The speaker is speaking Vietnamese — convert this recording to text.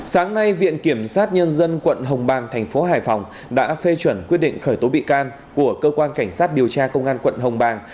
sáng nay viện kiểm sát nhân dân quận hồng bàng thành phố hải phòng đã phê chuẩn quyết định khởi tố bị can của cơ quan cảnh sát điều tra công an quận hồng bàng